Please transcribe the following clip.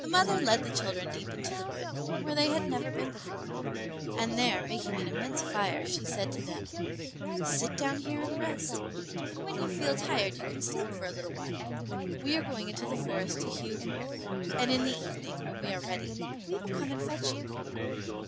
The mother led the children deep into the wood, where they had never been before, and there making an immense fire, she said to them, "Sit down here and rest, and when you feel tired you can sleep for a little while. We are going into the forest to hew wood, and in the evening, when we are ready, we will come and fetch you."